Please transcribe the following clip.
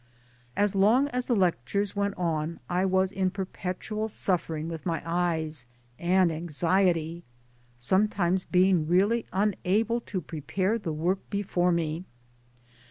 As long as the lectures went on I was in perpetual suffering with my eyes, and anxiety sometimes being really unable to prepare the work before me.